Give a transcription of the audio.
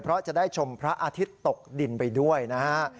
เพราะจะได้ชมพระอาทิตย์ตกดินไปด้วยนะฮะ